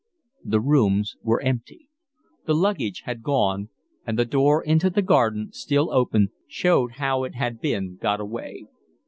The rooms were empty. The luggage had gone, and the door into the garden, still open, showed how it had been got away.